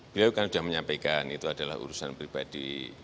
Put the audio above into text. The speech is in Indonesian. beliau kan sudah menyampaikan itu adalah urusan pribadi